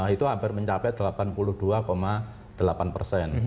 itu hampir mencapai delapan puluh dua delapan persen